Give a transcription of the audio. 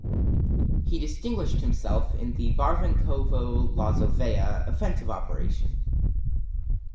He distinguished himself in the Barvenkovo–Lozovaya Offensive Operation.